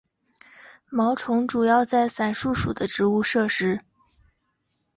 毛虫主要在伞树属的植物摄食。